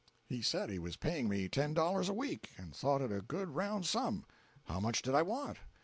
He said he was paying me ten dollars a week, and thought it a good round sum. How much did I want?